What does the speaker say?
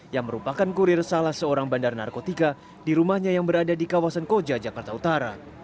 yang merupakan kurir salah seorang bandar narkotika di rumahnya yang berada di kawasan koja jakarta utara